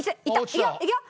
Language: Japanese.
いくよいくよ！